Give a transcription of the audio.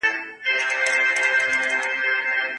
د سید قطب اثار په نړۍ کي خپاره سوي دي.